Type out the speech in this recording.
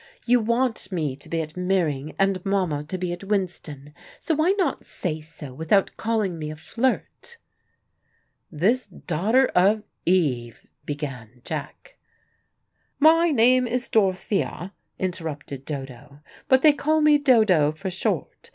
"You want me to be at Meering, and Mama to be at Winston. So why not say so without calling me a flirt?" "This daughter of Eve " began Jack. "My name is Dorothea," interrupted Dodo, "but they call me Dodo for short.